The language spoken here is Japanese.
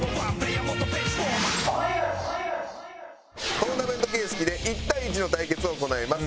トーナメント形式で１対１の対決を行います。